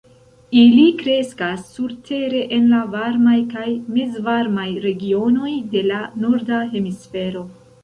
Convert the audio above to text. Ili kreskas surtere en la varmaj kaj mezvarmaj regionoj de la norda hemisfero.